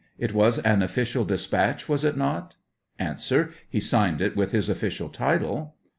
It was an official despatch, was it not ? A. He signed it with his official title.